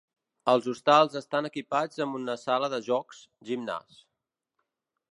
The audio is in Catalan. Els hostals estan equipats amb una sala de jocs, gimnàs.